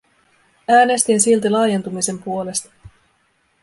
Äänestin silti laajentumisen puolesta.